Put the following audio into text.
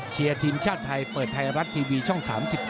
เชียร์ทีมชาติไทยเปิดไทยรัฐทีวีช่อง๓๒